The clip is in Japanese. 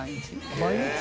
毎日。